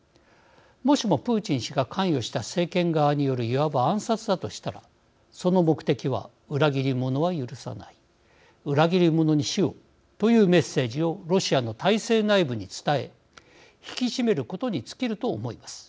もしもプーチン氏が関与した政権側によるいわば暗殺だとしたらその目的は裏切り者は許さない裏切り者に死をというメッセージをロシアの体制内部に伝え引き締めることに尽きると思います。